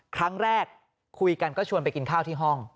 ครั้งแรกคุยกันก็ชวนไปกินข้าวที่ห้อง